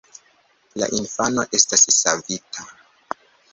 La infano estas savita.